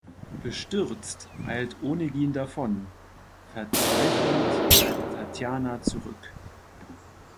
Bestürzt eilt Onegin davon, verzweifelt bleibt Tatjana zurück.